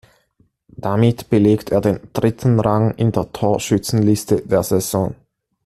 Damit belegte er den dritten Rang in der Torschützenliste der Saison.